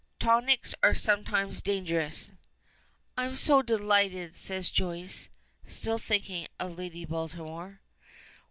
Tonics are sometimes dangerous." "I'm so delighted," says Joyce, still thinking of Lady Baltimore.